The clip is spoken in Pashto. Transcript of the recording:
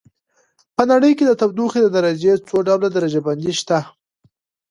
په نړۍ کې د تودوخې د درجې څو ډول درجه بندي شته.